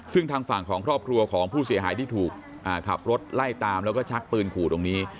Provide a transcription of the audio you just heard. ซึ่งทางฝั่งของครอบครัวของผู้เสียหายที่ถูกขับรถไล่ตามแล้วก็ชักปืนขู่ตรงนี้